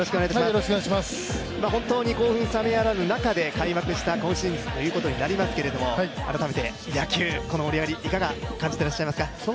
本当に興奮冷めやらぬ中で開幕した今シーズンということになりますけれども、改めて、野球、この盛り上がり、いかが感じてますか？